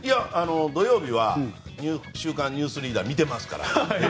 土曜日は「週刊ニュースリーダー」見ていますから。